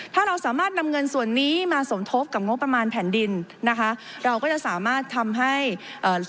ถ้าเราสามารถนำเงินส่วนนี้มาสมทบกับงบประมาณแผ่นดินนะคะเราก็จะสามารถทำให้เอ่อ